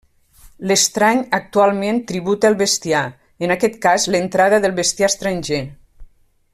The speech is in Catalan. L'estrany actualment tributa el bestiar, en aquest cas l'entrada del bestiar estranger.